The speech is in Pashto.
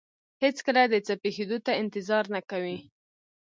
هېڅکله د څه پېښېدو ته انتظار نه کوي.